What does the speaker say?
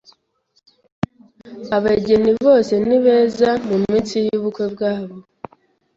Abageni bose ni beza muminsi yubukwe bwabo.